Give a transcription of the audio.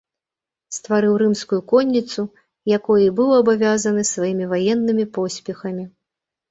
Стварыў рымскую конніцу, якой і быў абавязаны сваімі ваеннымі поспехамі.